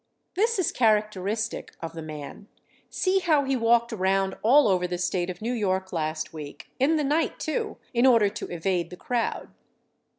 This is characteristic of the man. See how he walked around all over the State of New York last week in the night, too in order to evade the crowd.